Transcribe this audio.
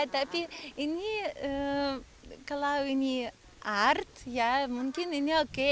tapi ini kalau ini art ya mungkin ini oke